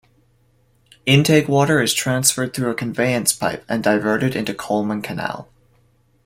Intake water is transferred through a conveyance pipe and diverted into Coleman Canal.